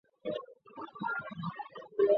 其名称是以义大利化学家亚佛加厥命名的。